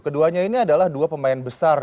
keduanya ini adalah dua pemain besar dalam negara